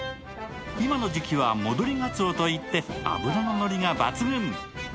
今の時期は戻りガツオといって、脂のノリが抜群。